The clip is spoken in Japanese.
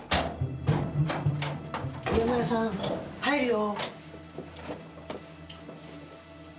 宮村さん入るよ。